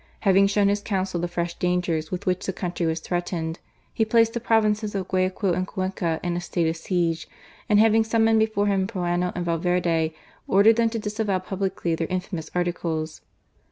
Having shown his Council the fresh dangers T t which the country' was threatened, he placed provinces of Guayaquil and Cuenca in a state of ge, and having summoned before him Proano and Iverde, ordered them to disavow publicly their infamous articles.